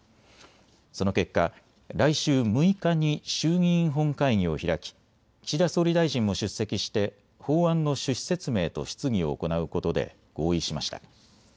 その結果、来週６日に衆議院本会議を開き岸田総理大臣も出席して法案の趣旨説明と質疑を行うことで合意しました。